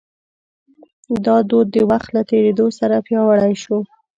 دا دود د وخت له تېرېدو سره پیاوړی شو.